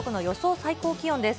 最高気温です。